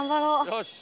よし！